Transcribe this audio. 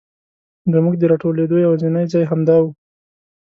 زمونږ د راټولېدو یواځینی ځای همدا و.